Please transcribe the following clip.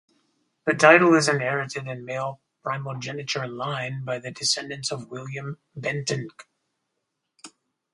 The title is inherited in male primogeniture line by the descendants of William Bentinck.